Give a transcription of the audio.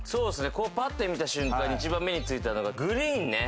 ぱっと見た瞬間に一番目についたのがグリーンね。